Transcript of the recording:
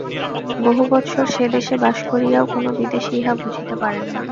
বহু বৎসর সে-দেশে বাস করিয়াও কোন বিদেশী ইহা বুঝিতে পারেন না।